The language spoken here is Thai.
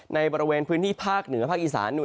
ในบริเวณพื้นที่ภาคเหนือภาคอีสาน